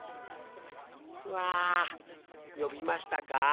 ふあよびましたか？